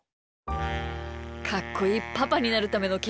かっこいいパパになるためのけんきゅう！